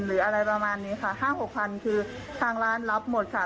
หรืออะไรประมาณนี้ค่ะ๕๖๐๐คือทางร้านรับหมดค่ะ